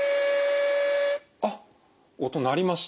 あっ音鳴りました。